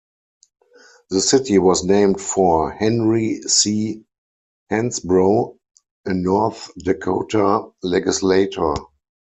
The city was named for Henry C. Hansbrough, a North Dakota legislator.